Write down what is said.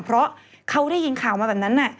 เพราะเขาได้ยินข่าวมาแบบนั้น